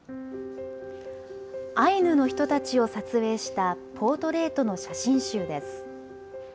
アイヌの人たちを撮影した、ポートレートの写真集です。